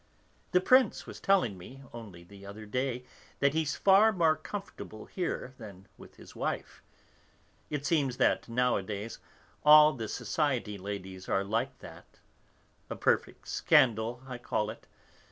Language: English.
The Prince was telling me, only the other day, that he's far more comfortable here than with his wife. It seems that, nowadays, all the society ladies are like that; a perfect scandal, I call it.